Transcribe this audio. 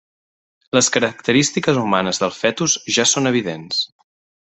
Les característiques humanes del fetus ja són evidents.